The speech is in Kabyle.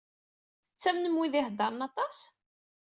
Tettamnem win i iheddṛen aṭas?